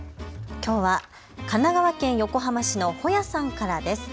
きょうは神奈川県横浜市のホヤさんからです。